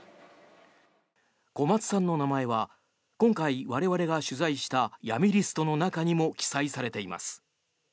小松さんの名前は今回、我々が取材した闇リストの中にも記載されています。